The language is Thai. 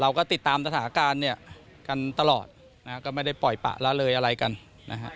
เราก็ติดตามสถานการณ์เนี่ยกันตลอดนะฮะก็ไม่ได้ปล่อยปะละเลยอะไรกันนะฮะ